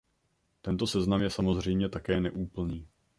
Tento seznam je samozřejmě také neúplný.